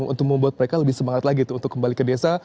untuk membuat mereka lebih semangat lagi untuk kembali ke desa